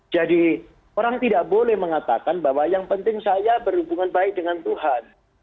jadi orang tidak boleh mengatakan bahwa yang penting saya berhubungan baik dengan tuhan